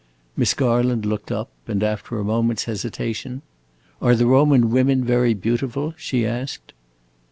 Miss Garland looked up, and, after a moment's hesitation: "Are the Roman women very beautiful?" she asked.